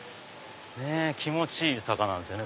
気持ちいい坂なんですよね